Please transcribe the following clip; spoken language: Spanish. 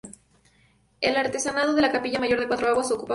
El artesonado de la capilla mayor, de cuatro aguas, ocupa un cuadrado.